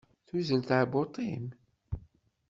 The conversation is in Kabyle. Tuzzel tɛebbuḍt-im?